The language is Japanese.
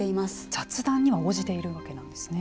雑談には応じているわけなんですね。